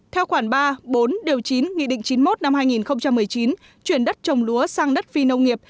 theo khoản ba bốn điều chín nghị định chín mươi một năm hai nghìn một mươi chín chuyển đất trồng lúa sang đất phi nông nghiệp